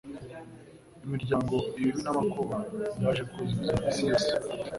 imiryango ibibi n’amakuba byaje kuzura isi yose.